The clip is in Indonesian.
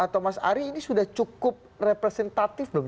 atau mas ari ini sudah cukup representatif belum